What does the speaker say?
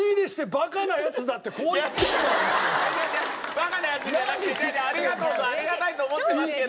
バカなヤツじゃなくて違う違うありがとうとありがたいと思ってますけど。